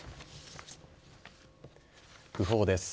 訃報です。